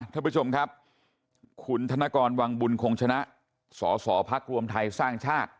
ท่านผู้ชมครับคุณธนกรวังบุญคงชนะสอสอพักรวมไทยสร้างชาติ